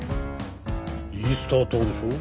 イースター島でしょ。